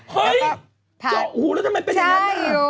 เฮ้ยเจาะหูแล้วทำไมเป็นอย่างนั้นได้อีก